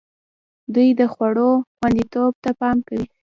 دوی د خوړو خوندیتوب ته پام کوي.